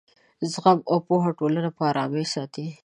زغم او پوهه ټولنه په ارامۍ ساتي.